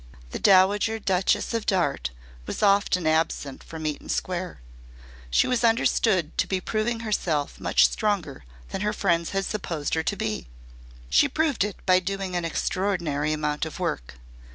The Dowager Duchess of Darte was often absent from Eaton Square. She was understood to be proving herself much stronger than her friends had supposed her to be. She proved it by doing an extraordinary amount of work.